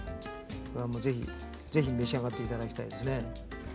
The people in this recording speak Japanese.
これはぜひ召し上がっていただきたいですね。